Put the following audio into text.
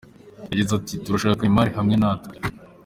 Yagize ati: "Turashaka Neymar hamwe natwe.